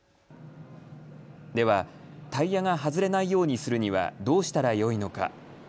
では、タイヤが外れないようにするにはどうしたらよいのか。